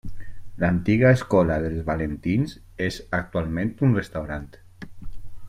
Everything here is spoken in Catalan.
L'antiga escola dels Valentins és actualment un restaurant.